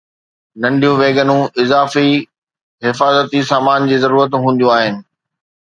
ننڍيون ويگنون اضافي حفاظتي سامان جي ضرورت هونديون آهن